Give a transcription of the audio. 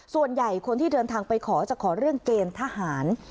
ส่วนใหญ่คนที่เดินทางไปขอจะขอเรื่องเกณฑ์ทหาร